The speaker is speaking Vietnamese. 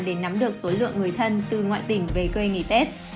để nắm được số lượng người thân từ ngoại tỉnh về quê nghỉ tết